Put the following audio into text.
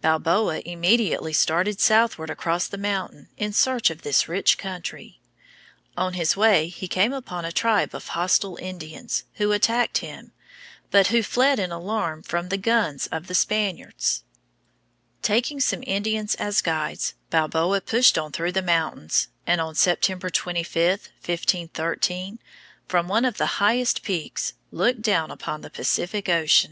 Balboa immediately started southward across the mountains in search of this rich country. On his way he came upon a tribe of hostile Indians, who attacked him, but who fled in alarm from the guns of the Spaniards. [Illustration: Balboa Crossing the Isthmus.] Taking some Indians as guides, Balboa pushed on through the mountains, and on September 25, 1513, from one of the highest peaks, looked down upon the Pacific Ocean.